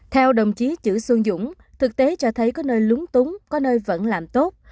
theo đồng chí chữ xuân dũng thực tế cho thấy có nơi lúng túng có nơi vẫn làm tốt